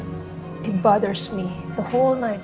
itu mengganggu aku selama malam